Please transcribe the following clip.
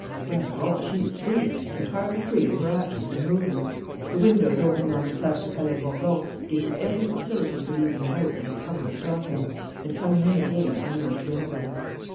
For, after all, she was free, entirely free in her actions and movements. The windows opening on the Place du Palais Bourbon gave her every facility for leaving the house under cover of the darkness and coming in again unknown to anybody.